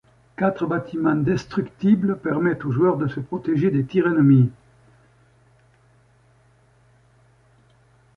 Quatre bâtiments destructibles permettent au joueur de se protéger des tirs ennemis.